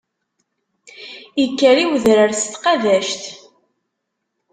Ikker i udrar s tqabact.